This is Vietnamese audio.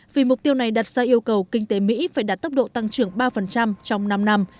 vì mục tiêu này đặt ra yêu cầu kinh tế mỹ phải đạt tốc độ tăng trưởng ba trong năm năm